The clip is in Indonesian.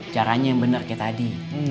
caranya yang benar kayak tadi